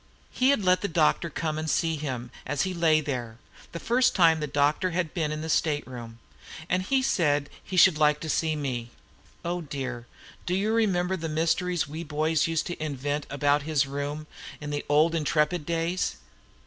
He had let the doctor come and see him as he lay there, the first time the doctor had been in the state room, and he said he should like to see me. Oh, dear! do you remember the mysteries we boys used to invent about his room in the old 'Intrepid' days?